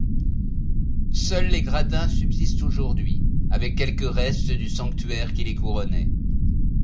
Seuls les gradins subsistent aujourd'hui, avec quelques restes du sanctuaire qui les couronnait.